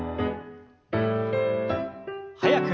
速く。